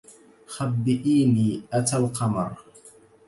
خبِّئيني. أتى القمر